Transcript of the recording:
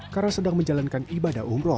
karena sedang menjalankan ibadah umroh